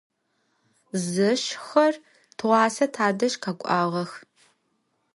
Zeşşıxer tığuase tadej khek'uağex.